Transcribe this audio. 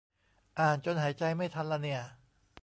อ่านจนหายใจไม่ทันละเนี่ย